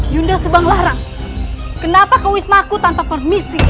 yunda subanglarang kenapa kewismaku tanpa permisi